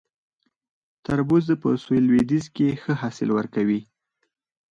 تربوز په سویل لویدیځ کې ښه حاصل ورکوي